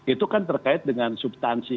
itu kan terkait dengan subtansi